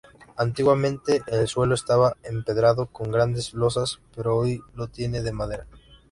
Antiguamente el suelo estaba empedrado con grandes losas, pero hoy lo tiene de madera.